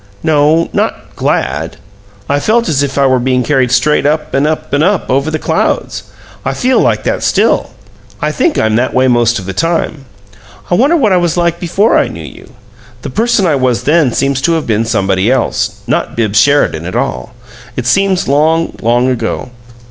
"No not 'glad.' I felt as if I were being carried straight up and up and up over the clouds. I feel like that still. I think I'm that way most of the time. I wonder what I was like before I knew you. The person I was then seems to have been somebody else, not Bibbs Sheridan at all. It seems long, long ago.